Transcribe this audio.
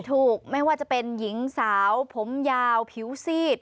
ไม่ว่าจะเป็นหญิงสาวผมยาวผิวซีด